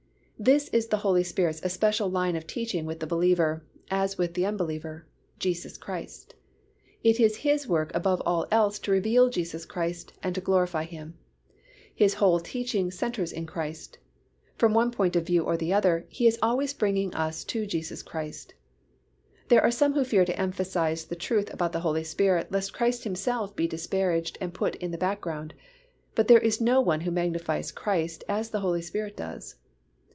This is the Holy Spirit's especial line of teaching with the believer, as with the unbeliever, Jesus Christ. It is His work above all else to reveal Jesus Christ and to glorify Him. His whole teaching centres in Christ. From one point of view or the other, He is always bringing us to Jesus Christ. There are some who fear to emphasize the truth about the Holy Spirit lest Christ Himself be disparaged and put in the background, but there is no one who magnifies Christ as the Holy Spirit does.